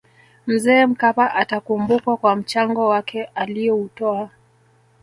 mzee mkapa atakumbukwa kwa mchango wake aliyoutoa